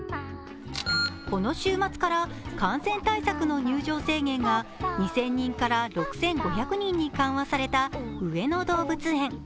この週末から感染対策の入場制限が２０００人から６５００人に緩和された上野動物園。